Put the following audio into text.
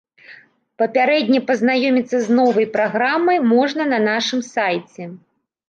Папярэдне пазнаёміцца з новай праграмай можна на нашым сайце.